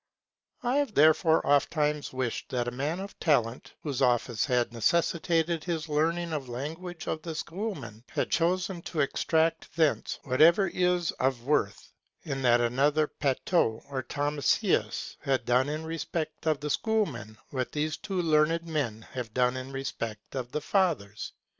I have therefore oft times wished that a man of talent, whose office had necessitated his learning the language of the Schoolmen, had chosen to extract thence whatever is of worth, and that another Petau or Thomasius had done in respect of the Schoolmen what these two learned men have done in respect of the Fathers.